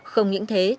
không những thế